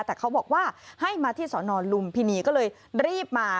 แต่เขาบอกว่าให้มาที่สอนอนลุมพินีก็เลยรีบมา